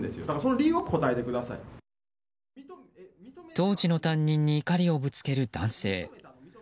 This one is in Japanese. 当時の担任に怒りをぶつける男性。